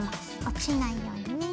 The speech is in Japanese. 落ちないようにね。